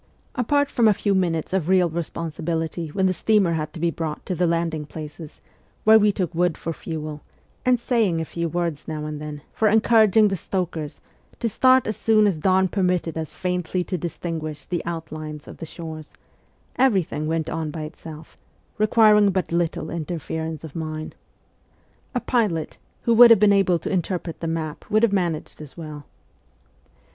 Apart from a few minutes of real responsibility when the steamer had to be brought to the landing places, where we took wood for fuel, and saying a few words now and then for encouraging the stokers to start as soon as dawn permitted us faintly to distinguish the outlines of the shores, everything went on by itself, requiring but little interference of mine. A pilot who would have been able to interpret the map would have managed as well.